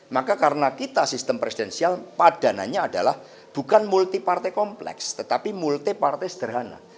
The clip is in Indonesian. maka karena kita sistem presidensial padananya adalah bukan multi partai kompleks tetapi multi partai sederhana